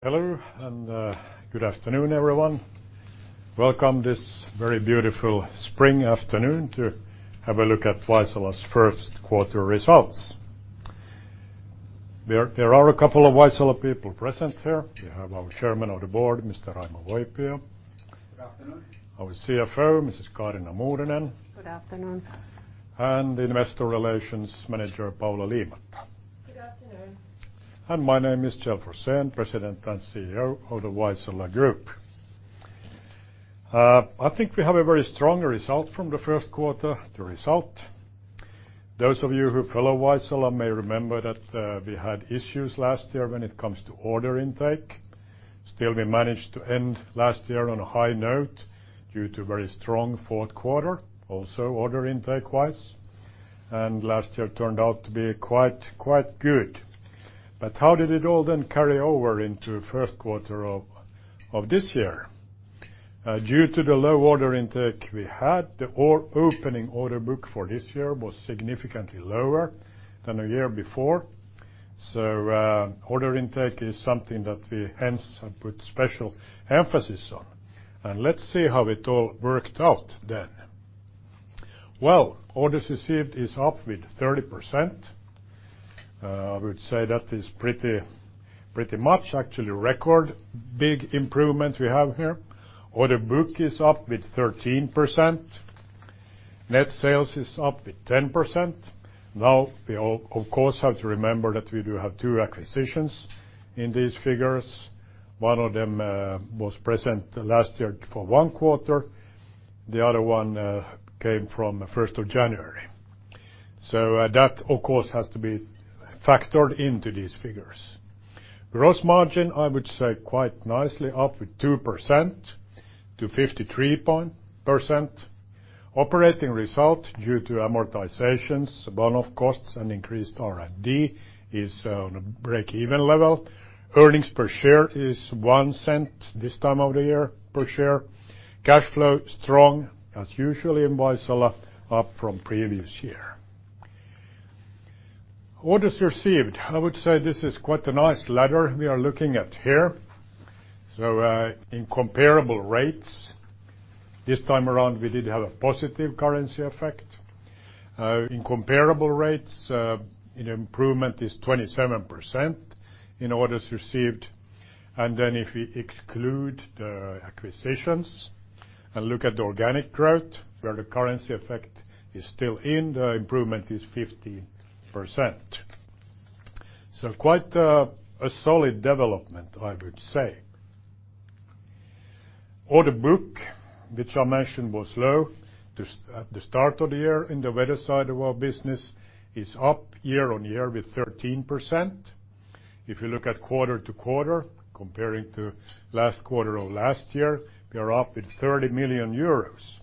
Hello, good afternoon, everyone. Welcome this very beautiful spring afternoon to have a look at Vaisala's first quarter results. There are a couple of Vaisala people present here. We have our Chairman of the Board, Mr. Raimo Voipio. Good afternoon. Our CFO, Mrs. Kaarina Muurinen. Good afternoon. Investor relations manager, Paula Liimatta. Good afternoon. My name is Kjell Forsén, President and CEO of the Vaisala Group. I think we have a very strong result from the first quarter. The result, those of you who follow Vaisala may remember that we had issues last year when it comes to order intake. Still, we managed to end last year on a high note due to very strong fourth quarter, also order intake wise, and last year turned out to be quite good. How did it all then carry over into first quarter of this year? Due to the low order intake we had, the opening order book for this year was significantly lower than the year before. Order intake is something that we hence have put special emphasis on. Let's see how it all worked out then. Well, orders received is up with 30%. I would say that is pretty much actually record big improvement we have here. Order book is up with 13%. Net sales is up with 10%. Now we of course, have to remember that we do have two acquisitions in these figures. One of them was present last year for one quarter, the other one came from 1st of January. That of course, has to be factored into these figures. gross margin, I would say quite nicely up with 2% to 53%. Operating result due to amortizations, one-off costs, and increased R&D is on a break-even level. Earnings per share is 0.01 this time of the year, per share. Cashflow, strong as usually in Vaisala, up from previous year. Orders received. I would say this is quite a nice ladder we are looking at here. In comparable rates this time around, we did have a positive currency effect. In comparable rates, an improvement is 27% in orders received. If we exclude the acquisitions and look at the organic growth where the currency effect is still in, the improvement is 50%. Quite a solid development, I would say. Order book, which I mentioned was low at the start of the year in the Weather and Environment side of our business is up year-over-year with 13%. If you look at quarter-to-quarter, comparing to last quarter of last year, we are up with 30 million euros.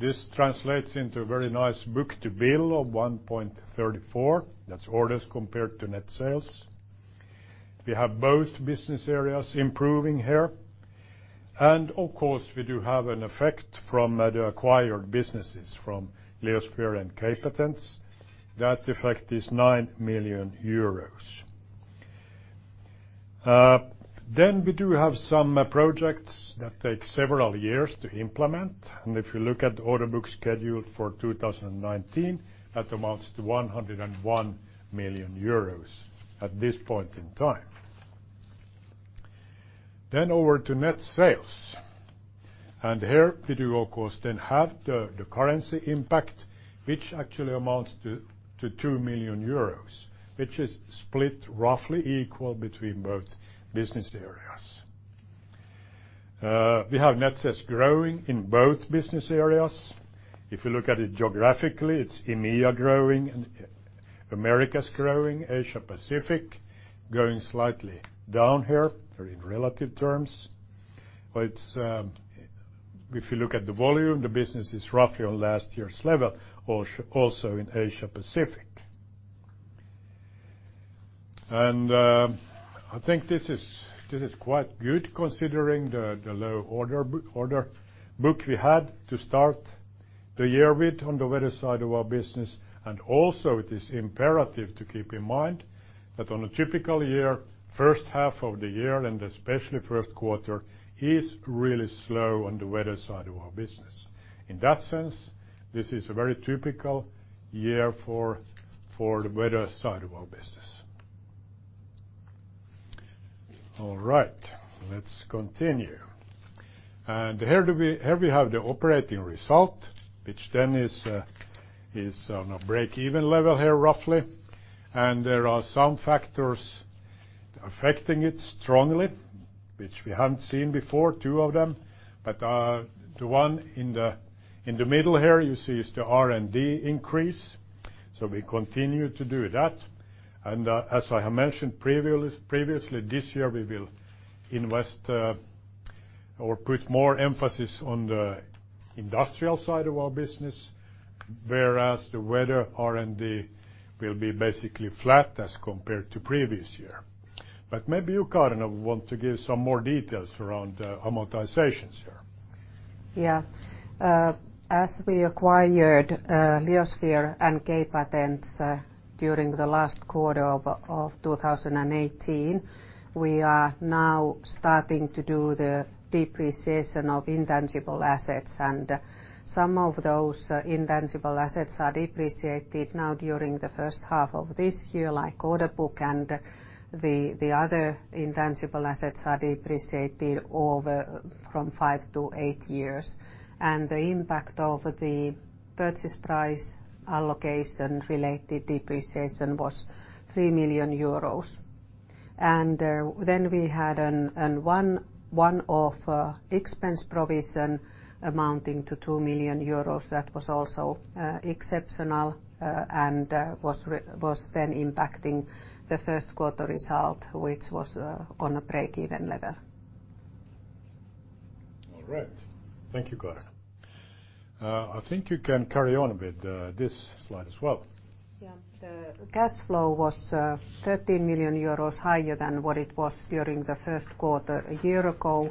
This translates into a very nice book-to-bill of 1.34. That is orders compared to net sales. We have both business areas improving here. Of course, we do have an effect from the acquired businesses from Leosphere and K-Patents. That effect is 9 million euros. We do have some projects that take several years to implement, and if you look at the order book schedule for 2019, that amounts to 101 million euros at this point in time. Over to net sales, and here we do of course then have the currency impact, which actually amounts to 2 million euros, which is split roughly equal between both business areas. We have net sales growing in both business areas. If you look at it geographically, it is EMEA growing and Americas growing, Asia Pacific going slightly down here in relative terms. If you look at the volume, the business is roughly on last year's level also in Asia Pacific. I think this is quite good considering the low order book we had to start the year with on the Weather and Environment side of our business. Also it is imperative to keep in mind that on a typical year, first half of the year and especially first quarter is really slow on the Weather and Environment side of our business. In that sense, this is a very typical year for the Weather and Environment side of our business. All right. Let us continue. Here we have the operating result, which then is on a break-even level here, roughly. There are some factors affecting it strongly, which we have not seen before, two of them, but the one in the middle here you see is the R&D increase. We continue to do that. As I have mentioned previously, this year we will invest or put more emphasis on the Industrial Measurements side of our business, whereas the Weather and Environment R&D will be basically flat as compared to previous year. Maybe you, Kaarina, want to give some more details around amortizations here. Yeah. As we acquired Leosphere and K-Patents during the last quarter of 2018, we are now starting to do the depreciation of intangible assets, some of those intangible assets are depreciated now during the first half of this year, like order book and the other intangible assets are depreciated over from five to eight years. The impact of the purchase price allocation-related depreciation was EUR 3 million. We had one-off expense provision amounting to 2 million euros that was also exceptional and was then impacting the first quarter result, which was on a break-even level. All right. Thank you, Kaarina. I think you can carry on with this slide as well. Yeah. The cash flow was 13 million euros higher than what it was during the first quarter a year ago,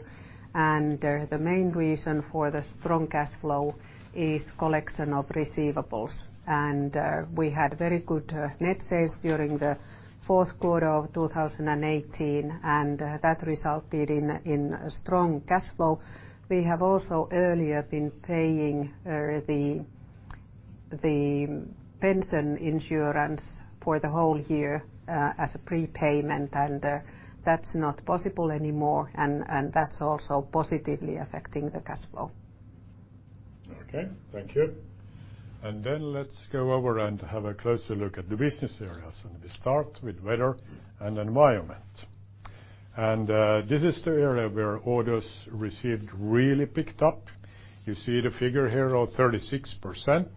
the main reason for the strong cash flow is collection of receivables. We had very good net sales during the fourth quarter of 2018, that resulted in a strong cash flow. We have also earlier been paying the pension insurance for the whole year as a prepayment, that's not possible anymore, that's also positively affecting the cash flow. Okay. Thank you. Let's go over and have a closer look at the business areas, we start with Weather and Environment. This is the area where orders received really picked up. You see the figure here of 36%.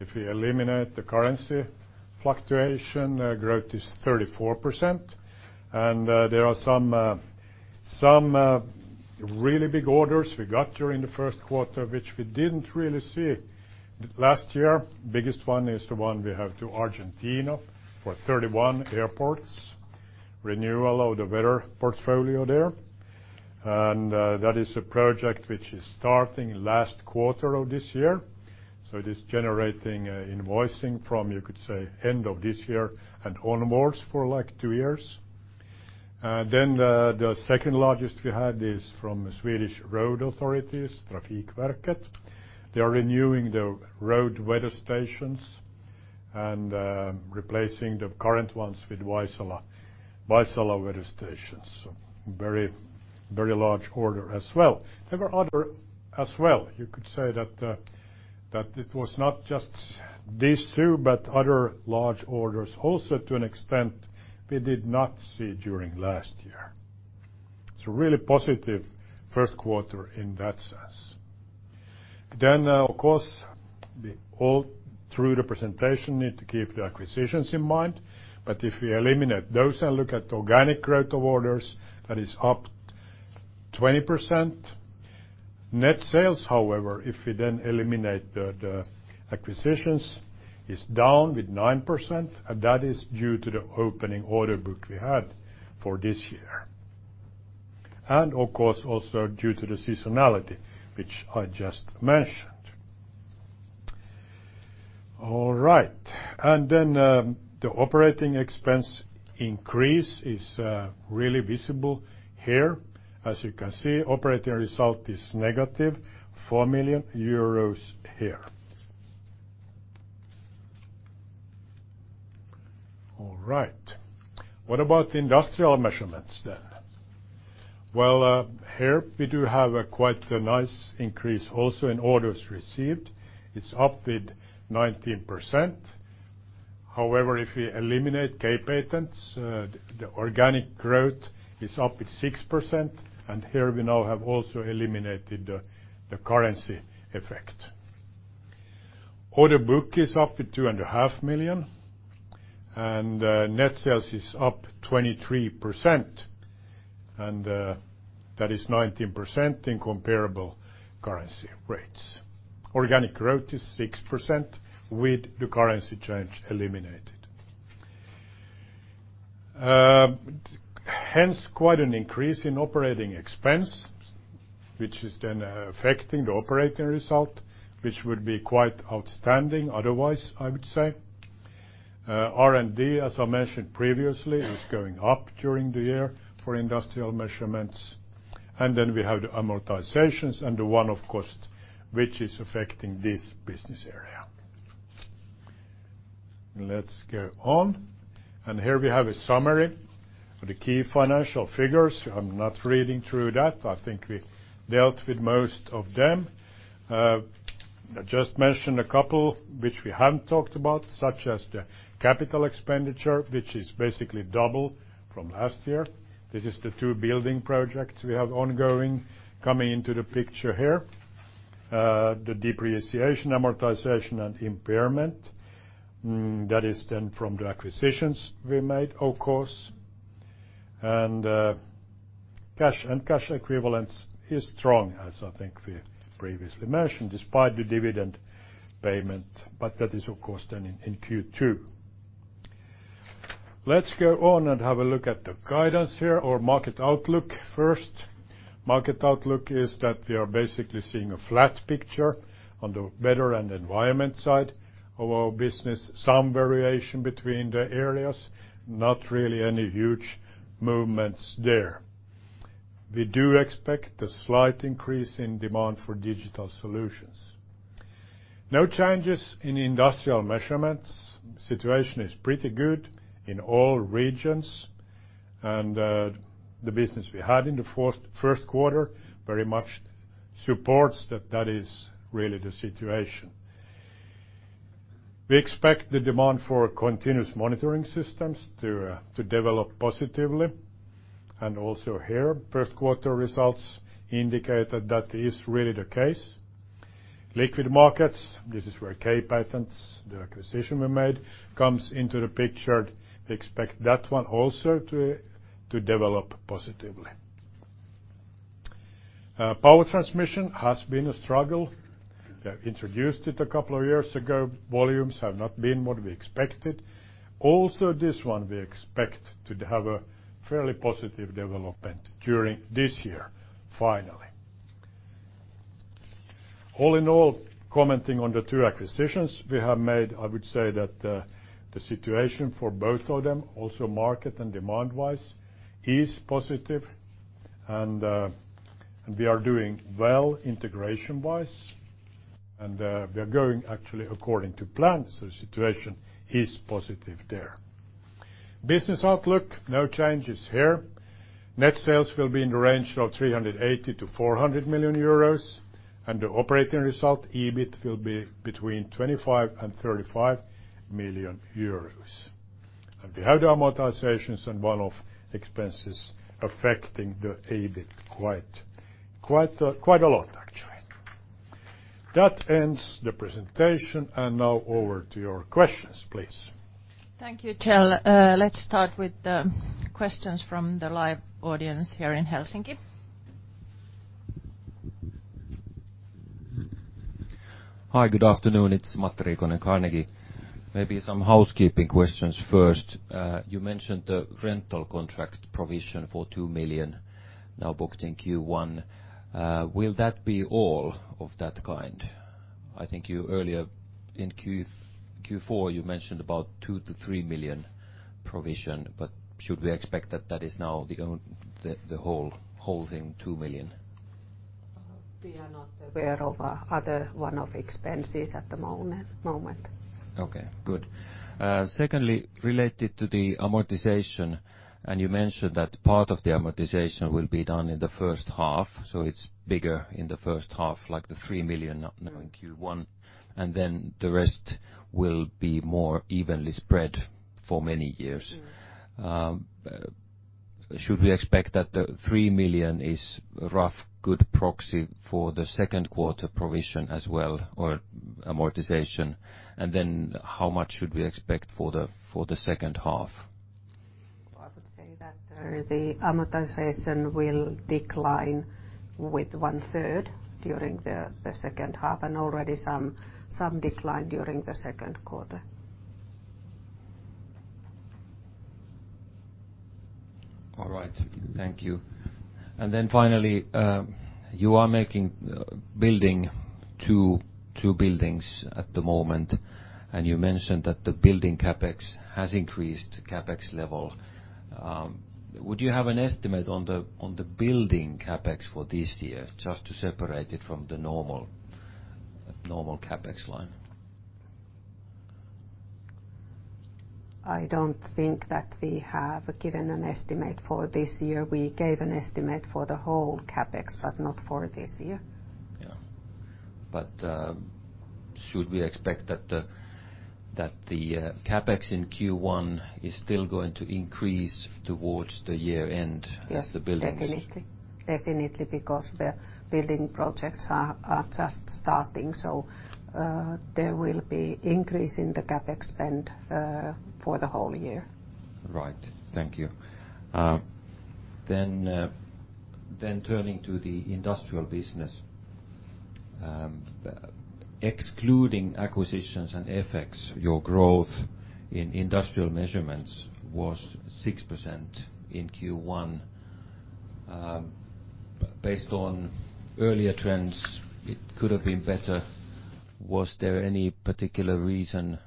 If we eliminate the currency fluctuation, growth is 34%, there are some really big orders we got during the first quarter, which we didn't really see last year. Biggest one is the one we have to Argentina for 31 airports, renewal of the weather portfolio there. That is a project which is starting last quarter of this year, so it is generating invoicing from, you could say, end of this year and onwards for two years. The second largest we had is from the Swedish road authorities, Trafikverket. They are renewing the road weather stations and replacing the current ones with Vaisala weather stations. Very large order as well. There were others as well. You could say that it was not just these two, but other large orders also to an extent we did not see during last year. It's a really positive first quarter in that sense. Of course, all through the presentation, need to keep the acquisitions in mind, but if we eliminate those and look at the organic growth of orders, that is up 20%. Net sales, however, if we then eliminate the acquisitions, is down with 9%, and that is due to the opening order book we had for this year. Of course, also due to the seasonality, which I just mentioned. All right. The operating expense increase is really visible here. As you can see, operating result is negative 4 million euros here. All right. What about Industrial Measurements then? Well, here we do have a quite nice increase also in orders received. It's up with 19%. However, if we eliminate K-Patents, the organic growth is up with 6%, and here we now have also eliminated the currency effect. Order book is up with two and a half million, and net sales is up 23%, and that is 19% in comparable currency rates. Organic growth is 6% with the currency change eliminated. Quite an increase in operating expense, which is then affecting the operating result, which would be quite outstanding otherwise, I would say. R&D, as I mentioned previously, is going up during the year for Industrial Measurements. We have the amortizations and the one-off cost, which is affecting this business area. Let's go on. Here we have a summary for the key financial figures. I'm not reading through that. I think we dealt with most of them. I'll just mention a couple which we haven't talked about, such as the capital expenditure, which is basically double from last year. This is the two building projects we have ongoing coming into the picture here. The depreciation, amortization, and impairment, that is then from the acquisitions we made, of course. Cash and cash equivalents is strong, as I think we previously mentioned, despite the dividend payment, but that is of course then in Q2. Let's go on and have a look at the guidance here or market outlook first. Market outlook is that we are basically seeing a flat picture on the Weather and Environment side of our business. Some variation between the areas, not really any huge movements there. We do expect a slight increase in demand for digital solutions. No changes in Industrial Measurements. Situation is pretty good in all regions and the business we had in the first quarter very much supports that that is really the situation. We expect the demand for continuous monitoring systems to develop positively and also here, first quarter results indicate that that is really the case. Liquid markets, this is where K-Patents, the acquisition we made, comes into the picture. We expect that one also to develop positively. Power transmission has been a struggle. We have introduced it a couple of years ago. Volumes have not been what we expected. Also this one we expect to have a fairly positive development during this year, finally. All in all, commenting on the two acquisitions we have made, I would say that the situation for both of them, also market and demand-wise, is positive and we are doing well integration-wise and we are going actually according to plan. The situation is positive there. Business outlook, no changes here. Net sales will be in the range of 380 million-400 million euros and the operating result, EBIT, will be between 25 million and 35 million euros. We have the amortizations and one-off expenses affecting the EBIT quite a lot, actually. That ends the presentation and now over to your questions, please. Thank you, Kjell. Let's start with the questions from the live audience here in Helsinki. Hi, good afternoon. It's Matti Riikonen, Carnegie. Maybe some housekeeping questions first. You mentioned the rental contract provision for 2 million now booked in Q1. Will that be all of that kind? I think you earlier in Q4, you mentioned about 2 million-3 million provision, should we expect that that is now the whole thing, 2 million? We are not aware of other one-off expenses at the moment. Okay, good. Secondly, related to the amortization, you mentioned that part of the amortization will be done in the first half, so it's bigger in the first half, like the 3 million now in Q1, the rest will be more evenly spread for many years. Should we expect that the 3 million is rough good proxy for the second quarter provision as well, or amortization? How much should we expect for the second half? I would say that the amortization will decline with one third during the second half and already some decline during the second quarter. All right, thank you. Finally, you are building two buildings at the moment, you mentioned that the building CapEx has increased CapEx level. Would you have an estimate on the building CapEx for this year, just to separate it from the normal CapEx line? I don't think that we have given an estimate for this year. We gave an estimate for the whole CapEx, but not for this year. Yeah. Should we expect that the CapEx in Q1 is still going to increase towards the year end? Yes. as the buildings. Definitely. Definitely, because the building projects are just starting, so there will be increase in the CapEx spend for the whole year. Right. Thank you. Turning to the industrial business, excluding acquisitions and FX, your growth in industrial measurements was 6% in Q1. Based on earlier trends, it could have been better. Was there any particular reason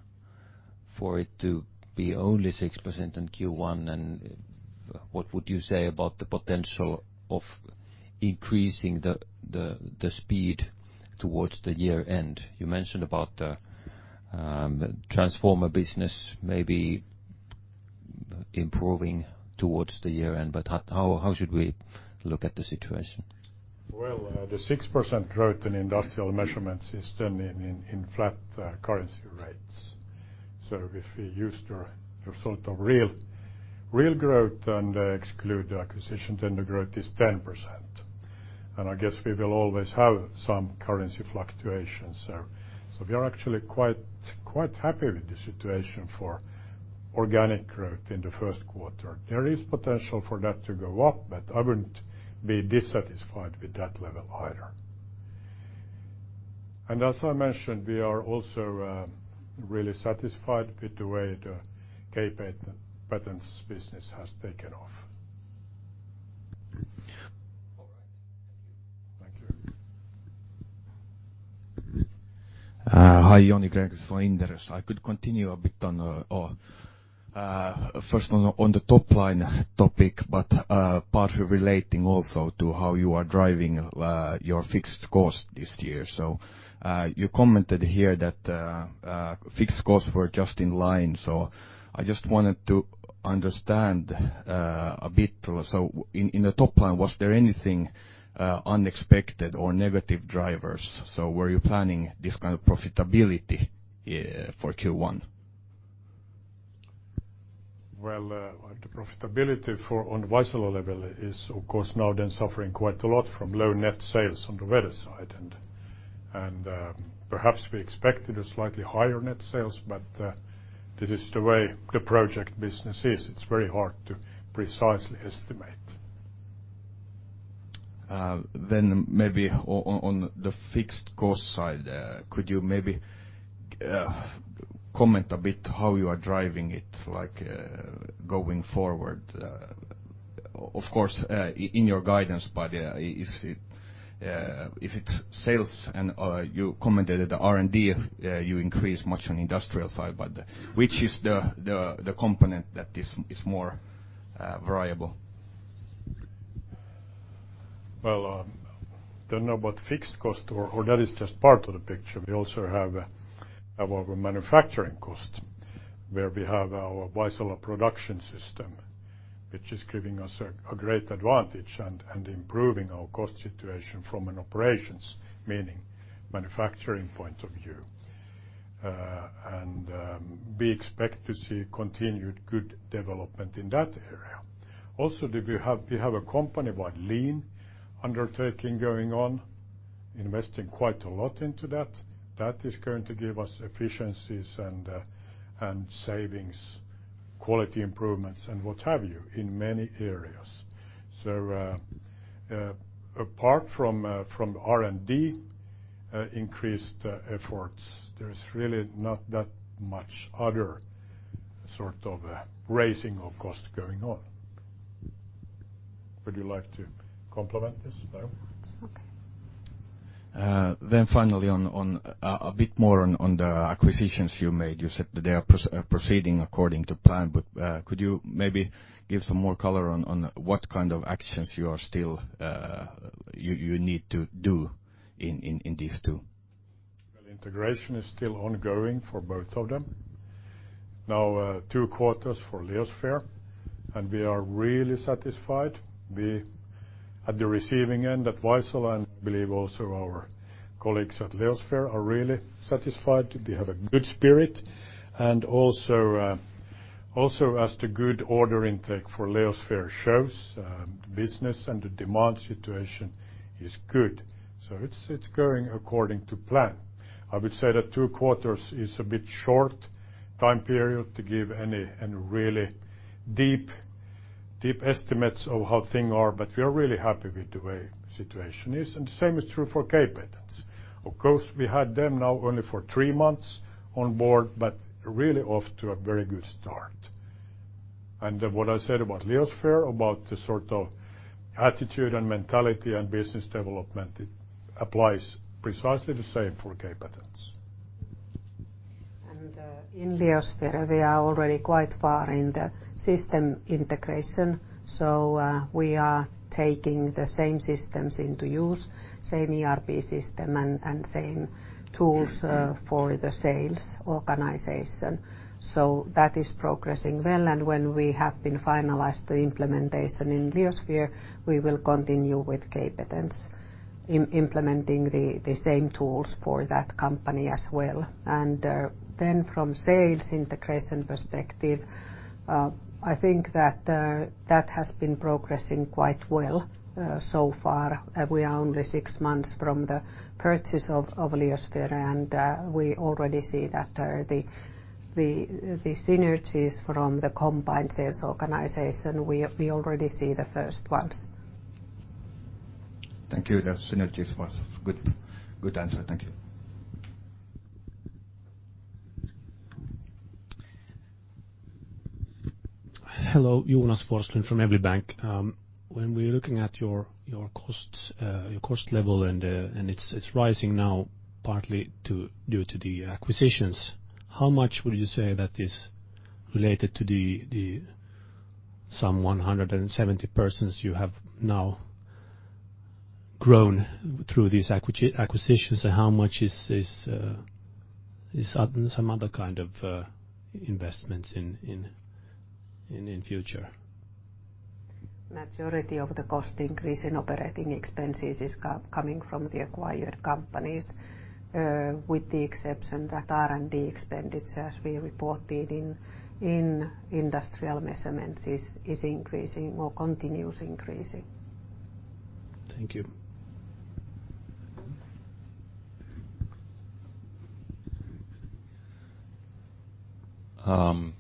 for it to be only 6% in Q1, and what would you say about the potential of increasing the speed towards the year end? You mentioned about the transformer business maybe improving towards the year end, how should we look at the situation? Well, the 6% growth in industrial measurements is done in flat currency rates. If we use the result of real growth and exclude the acquisitions, the growth is 10%. I guess we will always have some currency fluctuations, we are actually quite happy with the situation for organic growth in the first quarter. There is potential for that to go up, I wouldn't be dissatisfied with that level either. As I mentioned, we are also really satisfied with the way the K-Patents business has taken off. All right. Thank you. Thank you. Hi, Joni Grönqvist from Inderes. I could continue a bit on, first on the top line topic, but partly relating also to how you are driving your fixed cost this year. You commented here that fixed costs were just in line. I just wanted to understand a bit. In the top line, was there anything unexpected or negative drivers? Were you planning this kind of profitability for Q1? Well, the profitability on the Vaisala level is, of course, now then suffering quite a lot from low net sales on the weather side. Perhaps we expected a slightly higher net sales, but this is the way the project business is. It's very hard to precisely estimate. Maybe on the fixed cost side, could you maybe comment a bit how you are driving it, going forward? Of course, in your guidance, but is it sales? You commented that the R&D, you increase much on the industrial side, but which is the component that is more variable? Well, don't know about fixed cost or that is just part of the picture. We also have our manufacturing cost, where we have our Vaisala Production System, which is giving us a great advantage and improving our cost situation from an operations, meaning manufacturing point of view. We expect to see continued good development in that area. Also, we have a company wide lean undertaking going on, investing quite a lot into that. That is going to give us efficiencies and savings, quality improvements, and what have you, in many areas. Apart from R&D increased efforts, there's really not that much other sort of raising of cost going on. Would you like to complement this, Kaarina? It's okay. Finally, a bit more on the acquisitions you made. You said that they are proceeding according to plan, could you maybe give some more color on what kind of actions you need to do in these two? Well, integration is still ongoing for both of them. Now, two quarters for Leosphere, and we are really satisfied. We at the receiving end at Vaisala, and I believe also our colleagues at Leosphere are really satisfied. We have a good spirit, and also as the good order intake for Leosphere shows, business and the demand situation is good. It's going according to plan. I would say that two quarters is a bit short time period to give any really deep estimates of how things are, but we are really happy with the way the situation is, and the same is true for K-Patents. Of course, we had them now only for three months on board, but really off to a very good start. What I said about Leosphere, about the sort of attitude and mentality and business development, it applies precisely the same for K-Patents. In Leosphere, we are already quite far in the system integration. We are taking the same systems into use, same ERP system and same tools for the sales organization. That is progressing well, and when we have been finalized the implementation in Leosphere, we will continue with K-Patents, implementing the same tools for that company as well. From sales integration perspective, I think that has been progressing quite well so far. We are only six months from the purchase of Leosphere, and we already see that the synergies from the combined sales organization, we already see the first ones. Thank you. That synergies was good answer. Thank you. Hello. Jonas Forslund from Evli Bank. We're looking at your cost level, and it's rising now partly due to the acquisitions, how much would you say that is related to the some 170 persons you have now grown through these acquisitions, and how much is some other kind of investments in future? Majority of the cost increase in operating expenses is coming from the acquired companies with the exception that R&D expenditures, as we reported in Industrial Measurements, is increasing or continues increasing. Thank you. Matti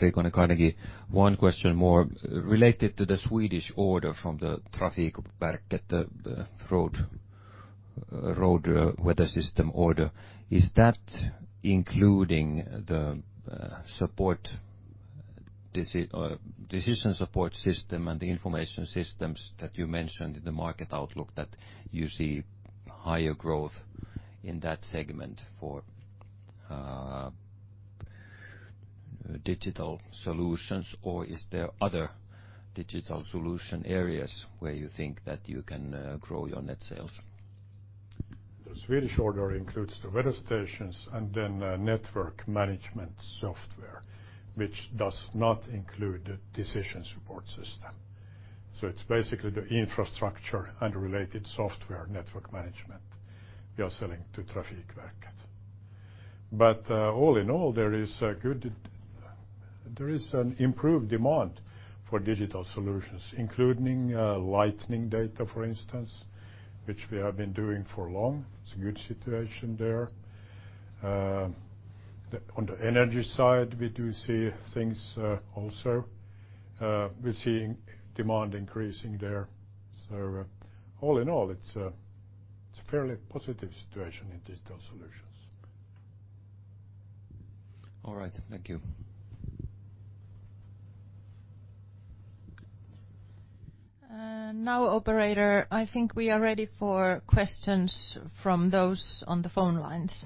Riikonen, one question more related to the Swedish order from the Trafikverket, the road weather system order. Is that including the decision support system and the information systems that you mentioned in the market outlook that you see higher growth in that segment for digital solutions, or is there other digital solution areas where you think that you can grow your net sales? The Swedish order includes the weather stations and then network management software, which does not include the decision support system. It's basically the infrastructure and related software network management we are selling to Trafikverket. All in all, there is an improved demand for digital solutions, including lightning data, for instance, which we have been doing for long. It's a good situation there. On the energy side, we do see things also. We're seeing demand increasing there. All in all, it's a fairly positive situation in digital solutions. All right. Thank you. Now, operator, I think we are ready for questions from those on the phone lines.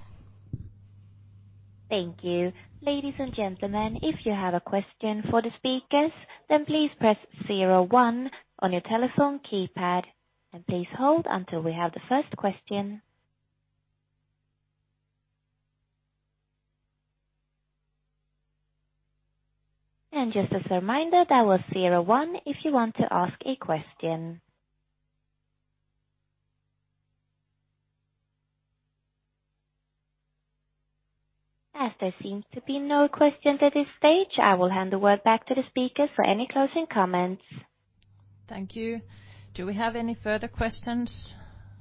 Thank you. Ladies and gentlemen, if you have a question for the speakers, then please press 01 on your telephone keypad and please hold until we have the first question. Just as a reminder, that was 01 if you want to ask a question. As there seems to be no questions at this stage, I will hand the word back to the speakers for any closing comments. Thank you. Do we have any further questions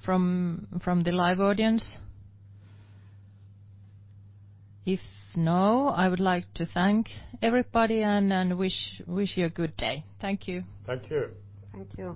from the live audience? If no, I would like to thank everybody and wish you a good day. Thank you. Thank you. Thank you.